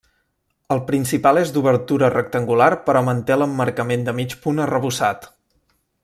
El principal és d'obertura rectangular però manté l'emmarcament de mig punt arrebossat.